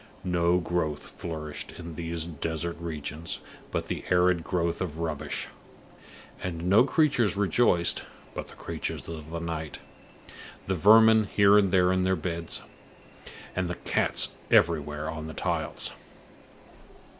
No growth flourished in these desert regions but the arid growth of rubbish; and no creatures rejoiced but the creatures of the night the vermin here and there in the beds, and the cats everywhere on the tiles.